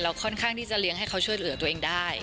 ค่อนข้างที่จะเลี้ยงให้เขาช่วยเหลือตัวเองได้